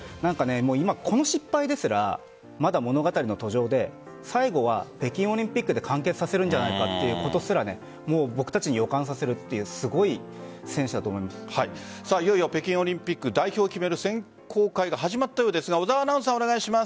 この失敗ですらまだ物語の登場で最後は北京オリンピックで完結させるんじゃないかということも僕たち予感させるといういよいよ北京オリンピック代表を決める選考会が始まったようですが小澤アナウンサーお願いします。